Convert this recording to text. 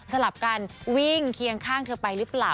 ลับกันวิ่งเคียงข้างเธอไปหรือเปล่า